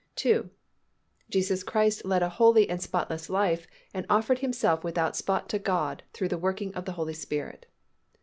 2. _Jesus Christ led a holy and spotless life and offered Himself without spot to God through the working of the Holy Spirit.